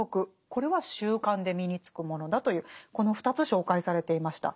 これは習慣で身につくものだというこの２つ紹介されていました。